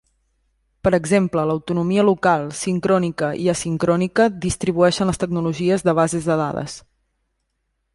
Per exemple, l'autonomia local, sincrònica i asincrònica distribueixen les tecnologies de bases de dades.